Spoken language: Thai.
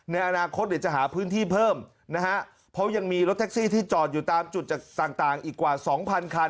ในอนาคตเดี๋ยวจะหาพื้นที่เพิ่มนะฮะเพราะยังมีรถแท็กซี่ที่จอดอยู่ตามจุดจากต่างอีกกว่าสองพันคัน